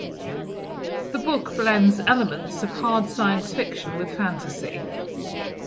The book blends elements of hard science fiction with fantasy.